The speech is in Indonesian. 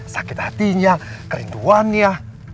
sakit hatinya kerinduannya